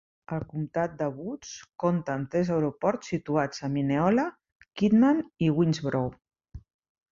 El comtat de Wood compta amb tres aeroports situats a Mineola, Quitman, i Winnsboro.